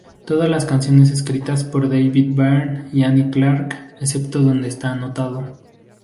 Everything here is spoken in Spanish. Todas las canciones escritas por David Byrne y Annie Clark, excepto donde esta anotado.